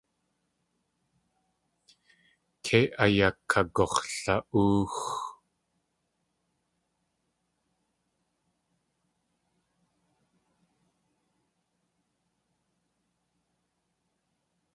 Kei ayakagux̲la.óox.